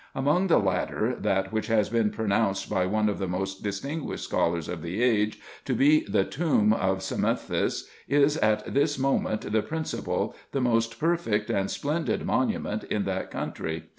Among the latter, that which has been pronounced bv one of the most distinguished scholars of the aire to be the tomb of Psammuthis, is at this moment the principal, the most perfect and splendid monument in that country.